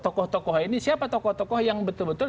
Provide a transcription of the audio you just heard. tokoh tokoh ini siapa tokoh tokoh yang betul betul